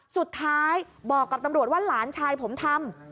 สุดท้ายบอกกับตำรวจว่าหลานชายผมทำ